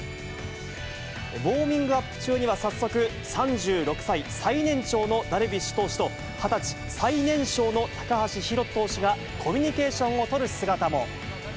ウォーミングアップ中には、早速、３６歳最年長のダルビッシュ投手と、２０歳最年少の高橋宏斗投手が、コミュニケーションを取る姿も。